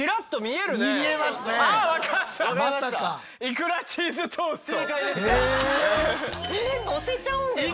えのせちゃうんですか！？